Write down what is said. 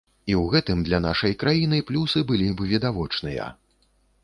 І ў гэтым для нашай краіны плюсы былі б відавочныя.